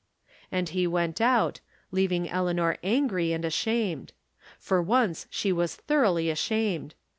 And he went out, leaving Eleanor angry and ashamed. For once she was thoroughly ashamed.